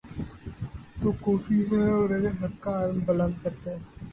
تو کوفی ہیں اور اگر حق کا علم بلند کرتے